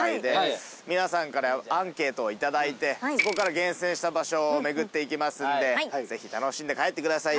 皆さんからアンケートを頂いてそこから厳選した場所を巡っていきますんでぜひ楽しんで帰ってください